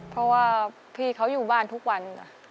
เพราะว่าพี่เขาอยู่บ้านทุกวัน